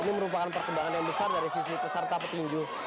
ini merupakan perkembangan yang besar dari sisi peserta petinju